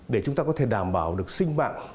để chúng ta có thể đảm bảo được sinh mạng